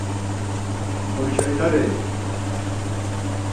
Oxorişa idarei?